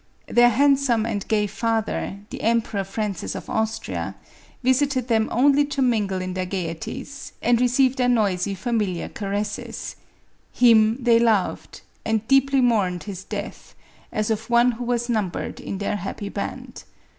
Their handsome and gay father, the emperor Francis of Austria, visited them only to mingle in their gayeties, and receive their noisy, familiar caresses ; him they loved, and deeply mourned his death, as of one who was numbered in their happy band.